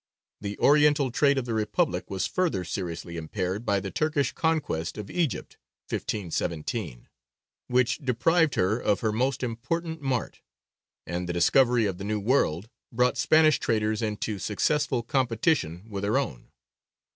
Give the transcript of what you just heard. The Oriental trade of the republic was further seriously impaired by the Turkish conquest of Egypt (1517), which deprived her of her most important mart; and the discovery of the New World brought Spanish traders into successful competition with her own.